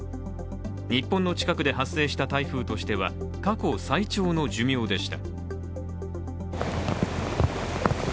日本の近くで発生した台風としては過去最長の寿命でした。